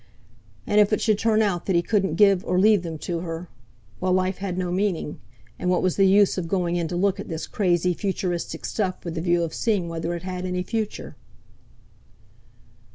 And if it should turn out that he couldn't give or leave them to her—well, life had no meaning, and what was the use of going in to look at this crazy, futuristic stuff with the view of seeing whether it had any future?